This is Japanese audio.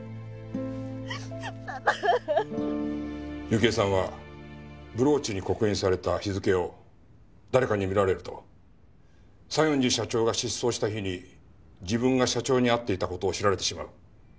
幸恵さんはブローチに刻印された日付を誰かに見られると西園寺社長が失踪した日に自分が社長に会っていた事を知られてしまう。